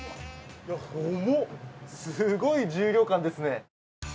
重っ、すごい重量感ですね。